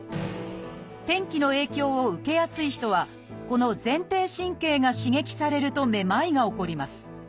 天気の影響を受けやすい人はこの前庭神経が刺激されるとめまいが起こります。